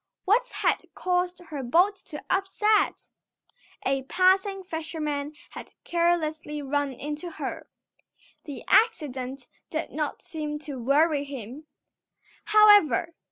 What had caused her boat to upset? A passing fisherman had carelessly run into her. The accident did not seem to worry him, however.